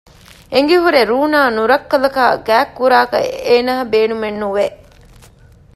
އެނގިހުރެ ރޫނާ ނުރައްކަލަކާ ގާތްކުރާކަށް އޭނާ ބޭނުމެއް ނުވެ